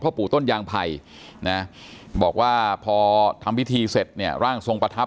ปู่ต้นยางไผ่นะบอกว่าพอทำพิธีเสร็จเนี่ยร่างทรงประทับ